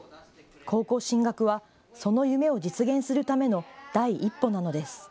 高校進学はその夢を実現するための、第一歩なのです。